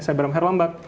saya baram harlambag